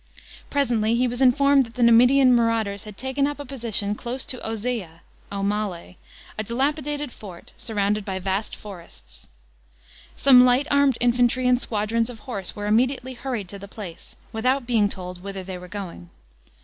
Presently he was informed that the Numidian marauders had taken up a position close to Auzea (Aumale), a dilapidated fort, surrounded by vast forests. Some light armed infantry and squadrons of horse were immediately hurried to the place, without being told whither they were going.